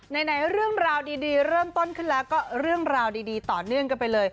ไหนเรื่องราวดีเริ่มต้นขึ้นแล้วก็เรื่องราวดีต่อเนื่องกันไปเลย